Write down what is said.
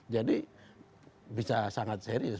jadi bisa sangat serius